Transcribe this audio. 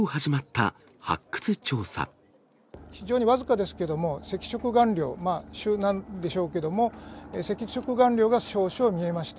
非常に僅かですけれども、赤色顔料、朱なんでしょうけども、赤色顔料が少々見えました。